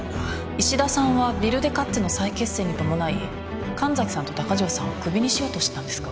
衣氏田さんは ＷＩＬＤＥＫＡＴＺＥ の再結成に伴い神崎さんと高城さんをクビにしようとしてたんですか？